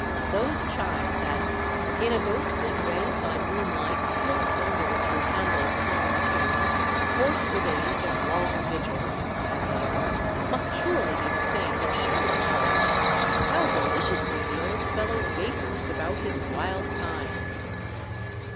Those chimes that "in a ghostly way by moonlight still bungle through Handel's psalm tunes, hoarse with age and long vigils" as they are, must surely be the same that Shallow heard. How deliciously the old fellow vapours about his wild times!